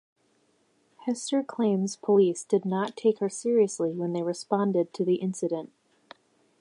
Hester claims police did not take her seriously when they responded to the incident.